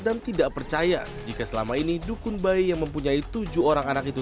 dan tidak percaya jika selama ini dukun bayi yang mempunyai tujuh orang anak itu